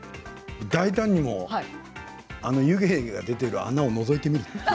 大胆にもあの湯気が出てる穴をのぞいてみる。